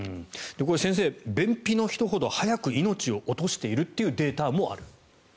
先生、便秘の人ほど早く命を落としているというデータもあると。